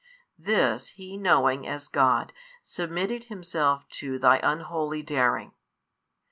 This He knowing as God, submitted Himself to thy unholy daring.